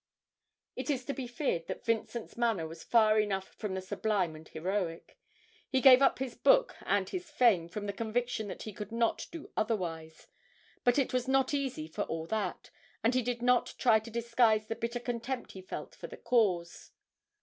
It is to be feared that Vincent's manner was far enough from the sublime and heroic; he gave up his book and his fame from the conviction that he could not do otherwise; but it was not easy for all that, and he did not try to disguise the bitter contempt he felt for the cause.